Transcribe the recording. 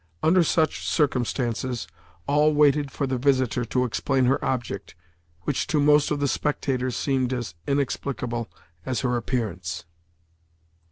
Under such circumstances, all waited for the visitor to explain her object, which to most of the spectators seemed as inexplicable as her appearance.